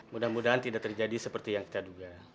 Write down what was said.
mudah mudahan tidak terjadi seperti yang kita duga